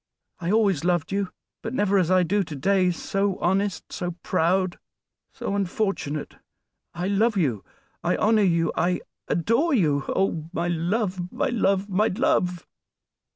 I always loved you, but never as I do to day; so honest, so proud, so unfortunate; I love you, I honor you, I adore you, oh! my love! my love! my love!!"